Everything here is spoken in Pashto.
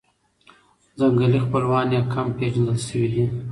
ځنګلي خپلوان یې کم پېژندل شوي دي.